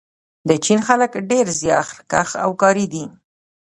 د چین خلک ډېر زیارکښ او کاري دي.